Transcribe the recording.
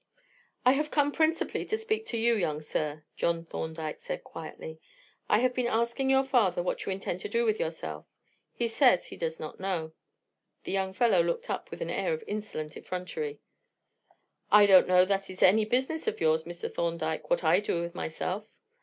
"I have come in principally to speak to you, young sir," John Thorndyke said quietly. "I have been asking your father what you intend to do with yourself. He says he does not know." The young fellow looked up with an air of insolent effrontery. "I don't know that it is any business of yours, Mr. Thorndyke, what I do with myself."